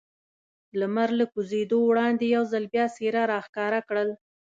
لمر له کوزېدو وړاندې یو ځل بیا څېره را ښکاره کړل.